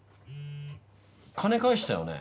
金返したよね？